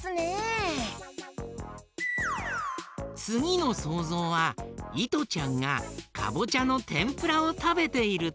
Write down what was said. つぎのそうぞうはいとちゃんがかぼちゃのてんぷらをたべているところだよ。